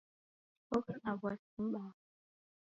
Oka na w'asi mbaha